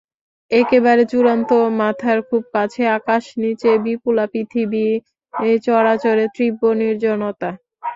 একেবারে চূড়ায়, মাথার খুব কাছে আকাশ, নিচে বিপুলা পৃথিবী, চরাচরে তীব্র নির্জনতা।